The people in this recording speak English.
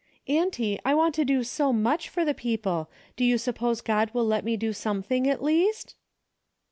Auntie, I want to do so much for the people, do you suppose God will let me do something at least